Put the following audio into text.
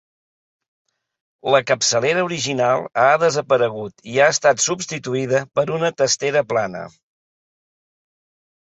La capçalera original ha desaparegut i ha estat substituïda per una testera plana.